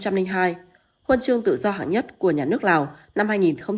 huân chương tự do hạng nhất của nhà nước lào năm hai nghìn một mươi tám